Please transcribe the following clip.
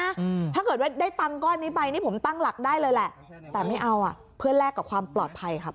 อืมถ้าเกิดว่าได้ตังค์ก้อนนี้ไปนี่ผมตั้งหลักได้เลยแหละแต่ไม่เอาอ่ะเพื่อแลกกับความปลอดภัยครับ